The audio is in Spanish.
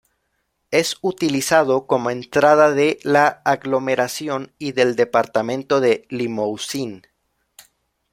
Es utilizado como entrada de la aglomeración y del departamento de Limousin.